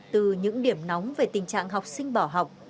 từ những điểm nóng về tình trạng học sinh bỏ học